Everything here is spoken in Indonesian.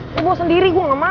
lo bos sendiri gue gak mau